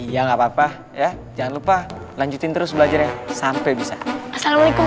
ya gak apa apa ya jangan lupa lanjutin terus belajarnya sampai bisa assalamualaikum